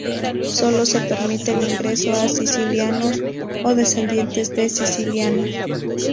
Solo se permite el ingreso a sicilianos o descendientes de sicilianos.